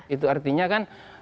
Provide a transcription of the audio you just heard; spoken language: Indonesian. itu artinya kan